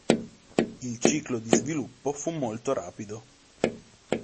Il ciclo di sviluppo fu molto rapido.